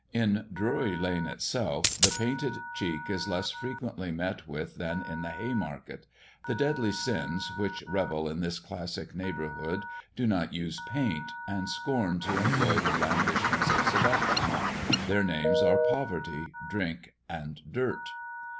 In Drury lane itself, the painted cheek is less frequently met with than in the Haymarket; the deadly sins which revel in this classic neighbourhood do not use paint, and scorn to employ the blandishments of seduction. Their names are Poverty, Drink, and Dirt.